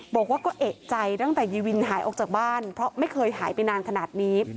บอกว่าก็เอกใจตั้งแต่ยีวินหายออกจากบ้านเพราะไม่เคยหายไปนานขนาดนี้